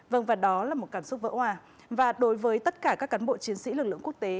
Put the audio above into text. vâng và đó là một cảm xúc vỡ hòa và đối với tất cả các cán bộ chiến sĩ lực lượng quốc tế